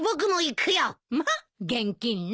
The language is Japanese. まあ現金ね。